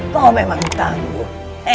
kau memang tangguh